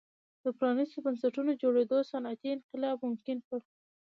د پرانیستو بنسټونو جوړېدو صنعتي انقلاب ممکن کړ.